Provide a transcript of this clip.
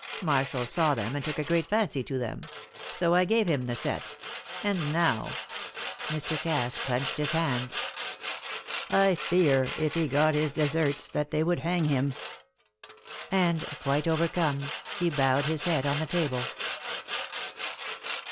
Marshall saw them, and took a great fancy to them; so I gave him the set and now" Mr. Cass clenched his hands "I fear, if he got his deserts, that they would hang him!" And, quite overcome, he bowed his head on the table.